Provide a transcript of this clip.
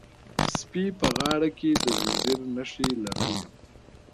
سپي په غاړه کې د زنځیر نښې لرلې.